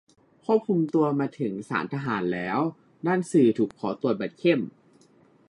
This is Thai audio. ควบคุมตัวมาถึงศาลทหารแล้ว ด้านสื่อถูกขอตรวจบัตรเข้ม